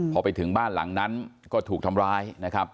พอไปถึงบ้านหลังนั้นก็ถูกทำร้ายนะครับ